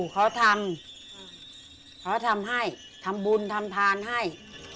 เขาทำให้ทำบุญทำทานให้